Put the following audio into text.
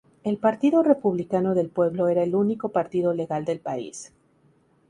El Partido Republicano del Pueblo era el único partido legal del país.